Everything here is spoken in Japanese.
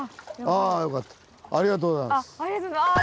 ありがとうございます。